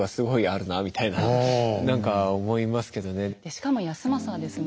しかも康政はですね